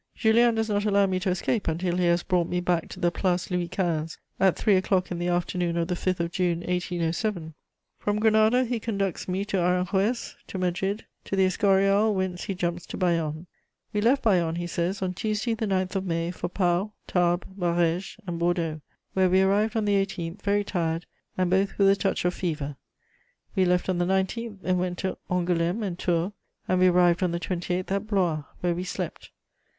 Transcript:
Julien does not allow me to escape until he has brought me back to the Place Louis XV. at three o'clock in the afternoon of the 5th of June 1807. From Granada he conducts me to Aranjuez, to Madrid, to the Escurial, whence he jumps to Bayonne. "We left Bayonne," he says, "on Tuesday the 9th of May, for Pau, Tarbes, Barèges and Bordeaux, where we arrived on the 18th, very tired, and both with a touch of fever. We left on the 19th and went to Angoulême and Tours, and we arrived on the 28th at Blois, where we slept.